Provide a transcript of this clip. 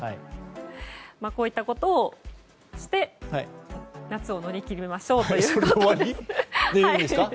こういったことをして夏を乗り切りましょうということです。